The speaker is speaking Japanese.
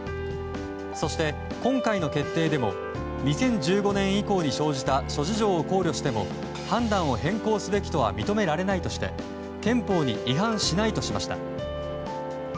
そして、今回の決定でも２０１５年以降に生じた諸事情を考慮しても判断を変更すべきとは認められないとして憲法に違反しないとしました。